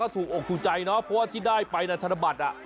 ที่จะให้เราได้โบยบิน